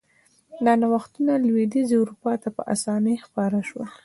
دا نوښتونه لوېدیځې اروپا ته په اسانۍ خپاره شول.